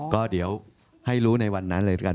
ก็เดี๋ยวให้รู้ในวันนั้นเลยละกัน